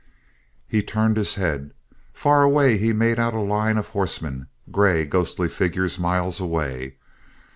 He turned his head. Far away he made out a line of horsemen grey, ghostly figures miles away.